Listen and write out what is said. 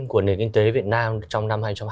của nền kinh tế việt nam trong năm